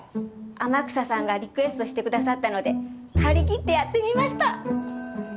天草さんがリクエストしてくださったので張り切ってやってみました。